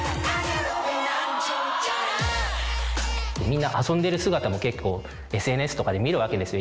みんな遊んでる姿も結構ＳＮＳとかで見るわけですよ。